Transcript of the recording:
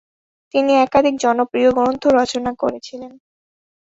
তিনি একাধিক জনপ্রিয় গ্রন্থ রচনা করেছিলেন।